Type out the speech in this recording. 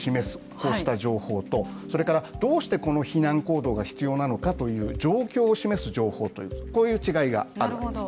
こうした情報とそれからどうしてこの避難行動が必要なのかという状況を示す情報という違いがあるんですね。